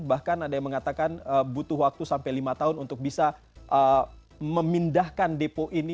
bahkan ada yang mengatakan butuh waktu sampai lima tahun untuk bisa memindahkan depo ini